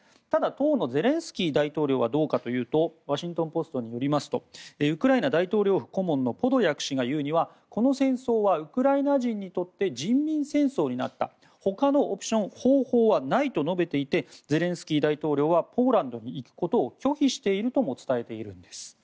ただ、当のゼレンスキー大統領はどうかというとワシントン・ポストによりますとウクライナ大統領府顧問のポドリャク氏が言うにはこの戦争はウクライナ人にとって人民戦争になったほかのオプション、方法はないと述べていてゼレンスキー大統領はポーランドへ行くことを拒否しているとも伝えているんです。